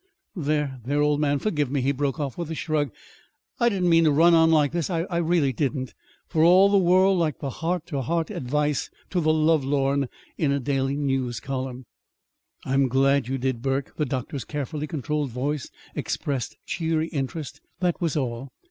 There, there, old man, forgive me," he broke off, with a shrug. "I didn't mean to run on like this. I really didn't for all the world like the heart to heart advice to the lovelorn in a daily news column!" "I'm glad you did, Burke." The doctor's carefully controlled voice expressed cheery interest; that was all.